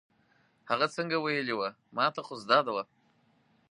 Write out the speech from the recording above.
هغه څنګه ویلې وه، ما ته خو زده وه.